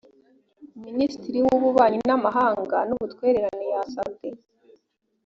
minisitiri w’ububanyi n’amahanga n’ubutwererane yasabwe